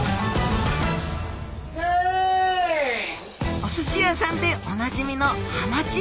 おすし屋さんでおなじみのはまち。